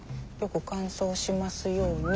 よく乾燥しますように。